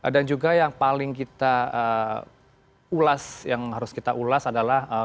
juga yang paling kita ulas yang harus kita ulas adalah